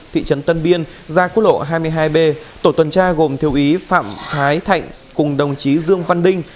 thị trấn tân biên gia quốc lộ hai mươi hai b tổ tuần tra gồm thiếu ý phạm thái thạnh cùng đồng chí dương văn đinh